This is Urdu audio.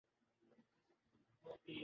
پاناما پیپرز کا پارہ اتر رہا ہے۔